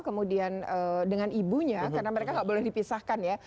kemudian dengan ibunya karena mereka nggak boleh dipisahkan ya